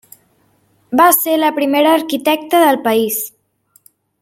Va ser la primera arquitecta del país.